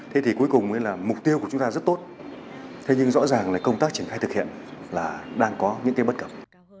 thế thì cuối cùng mục tiêu của chúng ta rất tốt thế nhưng rõ ràng công tác triển khai thực hiện đang có những bất cập